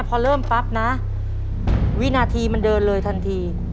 พอเริ่มปั๊บนะวินาทีมันเดินเลยทันที